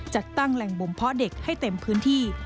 จัดตั้งแหล่งบ่มเพาะเด็กให้เต็มพื้นที่